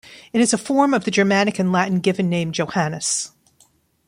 It is a form of the Germanic and Latin given name Johannes.